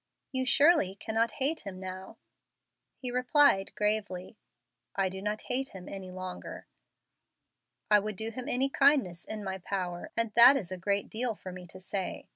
You surely cannot hate him now?" He replied, gravely, "I do not hate him any longer. I would do him any kindness in my power, and that is a great deal for me to say.